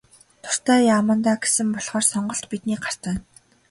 Дуртай яамандаа гэсэн болохоор сонголт бидний гарт байна.